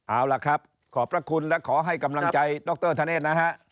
เอาล่ะครับขอบพระคุณและขอให้กำลังใจดรธเนธนะฮะ